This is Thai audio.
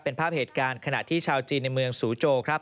เป็นภาพเหตุการณ์ขณะที่ชาวจีนในเมืองสูโจครับ